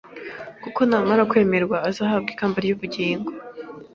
kuko namara kwemerwa azahabwa ikamba ry’ubugingo